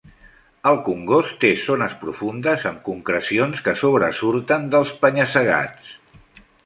El congost té zones profundes amb concrecions que sobresurten dels penya-segats.